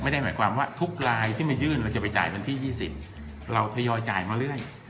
ไม่ได้หมายความว่าทุกลายที่มายื่นเราจะไปจ่ายวันที่๒๐เราทยอยจ่ายมาเรื่อย